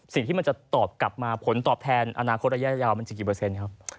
สิ่งที่มันจะตอบกลับมาผลตอบแทนอนาคตระยะยาวมันจะกี่เปอร์เซ็นต์ครับ